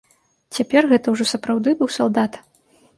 Цяпер гэта ўжо сапраўды быў салдат.